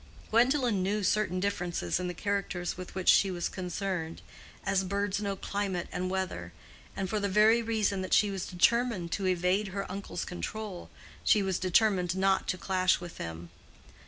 Gwendolen knew certain differences in the characters with which she was concerned as birds know climate and weather; and for the very reason that she was determined to evade her uncle's control, she was determined not to clash with him.